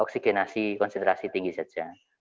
oksigenasi konsentrasi tinggi saja